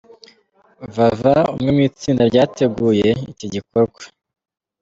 Vava umwe mu itsinda ryateguye iki gikorwa.